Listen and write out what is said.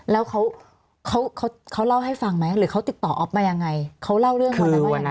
แล้วเขาเขาเล่าให้ฟังไหมหรือเขาติดต่อออฟมายังไงเขาเล่าเรื่องตอนนั้นว่ายังไง